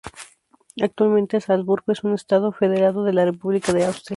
Actualmente Salzburgo es un Estado federado de la República de Austria.